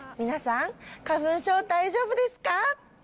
皆さん、花粉症大丈夫ですか？